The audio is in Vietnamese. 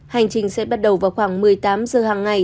hành trình sẽ bắt đầu vào khoảng một mươi tám giờ hàng ngày